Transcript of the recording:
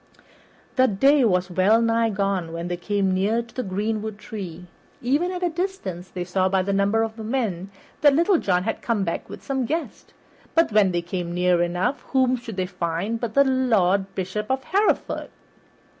The day was well nigh gone when they came near to the greenwood tree. Even at a distance they saw by the number of men that Little John had come back with some guest, but when they came near enough, whom should they find but the Lord Bishop of Hereford!